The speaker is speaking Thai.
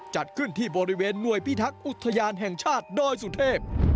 จัดขึ้นที่บริเวณหน่วยพิทักษ์อุทยานแห่งชาติดอยสุเทพ